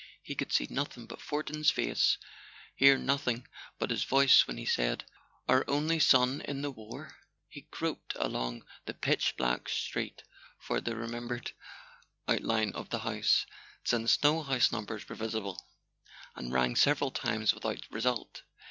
He could see nothing but Fortin's face, hear nothing but his voice when he said: "Our only son in the war." He groped along the pitch black street for the re¬ membered outline of the house (since no house numbers were visible), and rang several times without result.